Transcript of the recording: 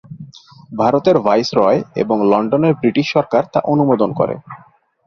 ভারতের ভাইসরয় এবং লন্ডনের ব্রিটিশ সরকার তা অনুমোদন করে।